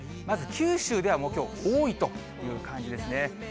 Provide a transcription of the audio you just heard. まず九州ではもうきょう、多いという感じですね。